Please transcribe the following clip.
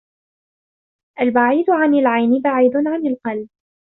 البعيد عن العين بعيد عن القلب